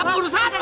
apa urusan kok